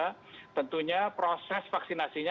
nah tentunya proses vaksinasinya